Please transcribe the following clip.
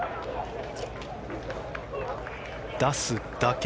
出すだけ。